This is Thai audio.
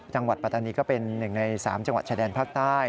ปัตตานีก็เป็นหนึ่งใน๓จังหวัดชายแดนภาคใต้